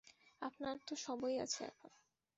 আপনার তো সবই আছে এখন।